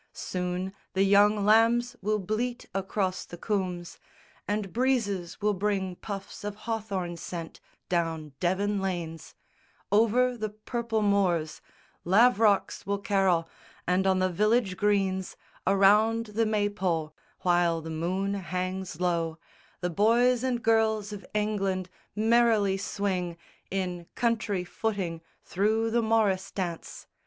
Soon the young lambs will bleat across the combes, And breezes will bring puffs of hawthorn scent Down Devon lanes; over the purple moors Lavrocks will carol; and on the village greens Around the May pole, while the moon hangs low, The boys and girls of England merrily swing In country footing through the morrice dance.